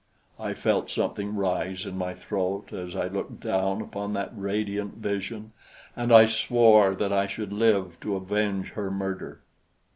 I felt something rise in my throat as I looked down upon that radiant vision, and I swore that I should live to avenge her murder.